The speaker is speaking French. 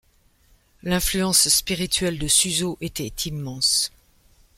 L'influence spirituelle de Suso était immense.